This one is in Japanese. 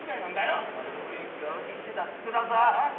あの雰囲気は浮気してたって言ってたよ。